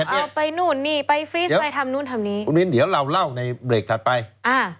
ไปฟรีสไปทำนู่นทำนี้เดี๋ยวเราเล่าในเบรกถัดไปอ่า